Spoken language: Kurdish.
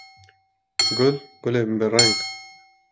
Gul, gulên bi reng